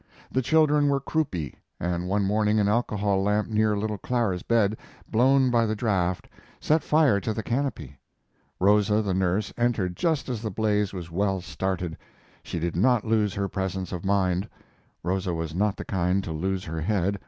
The children were croupy, and one morning an alcohol lamp near little Clara's bed, blown by the draught, set fire to the canopy. Rosa, the nurse, entered just as the blaze was well started. She did not lose her presence of mind, [Rosa was not the kind to lose her head.